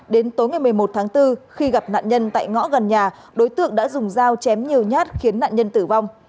đến tối ngày một mươi một tháng bốn khi gặp nạn nhân tại ngõ gần nhà đối tượng đã dùng dao chém nhiều nhát khiến nạn nhân tử vong